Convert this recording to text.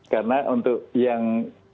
karena untuk yang